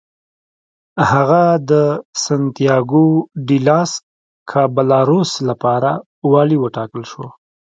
هغه د سنتیاګو ډي لاس کابالروس لپاره والي وټاکل شو.